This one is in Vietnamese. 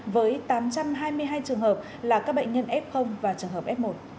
với tám trăm hai mươi hai trường hợp là các bệnh nhân f và trường hợp f một